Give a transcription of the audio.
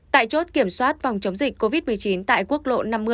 tại chốt kiểm soát phòng chống dịch covid một mươi chín tại quốc lộ năm mươi